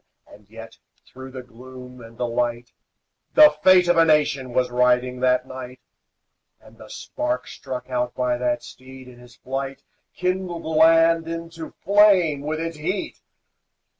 And yet, through the gloom and the light, The fate of a nation was riding that night; And the spark struck out by that steed, in his flight, Kindled the land into flame with its heat.